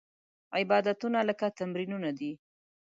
عبادتونه لکه تمرینونه دي.